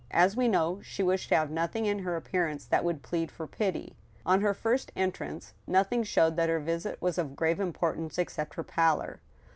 As we know, she wished to have nothing in her appearance that would plead for pity. On her first entrance, nothing showed that her visit was of grave importance except her pallor.